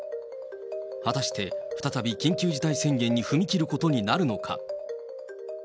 果たして再び緊急事態宣言に踏み切ることになるのか。